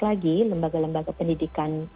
lagi lembaga lembaga pendidikan